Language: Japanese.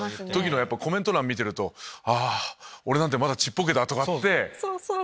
コメント欄見てると俺なんてまだちっぽけだ！って。